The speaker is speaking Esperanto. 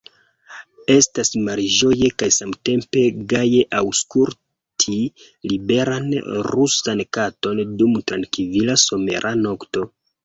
Estas malĝoje kaj samtempe gaje aŭskulti liberan rusan kanton dum trankvila somera nokto.